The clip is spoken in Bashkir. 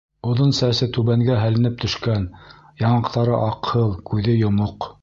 Оҙон сәсе түбәнгә һәленеп төшкән, яңаҡтары аҡһыл, күҙе йомоҡ.